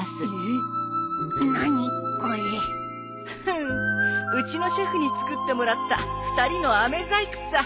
フッうちのシェフに作ってもらった２人のあめ細工さ。